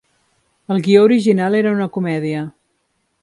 El guió original era una comèdia.